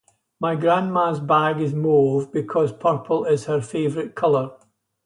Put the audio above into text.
My grandma's bag is Mauve because purple is her favourite colour.